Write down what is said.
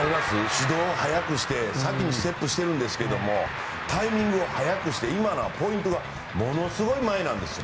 始動を早くして先にステップしてるんですけどタイミングを早くして今のはポイントがものすごい前なんですよ。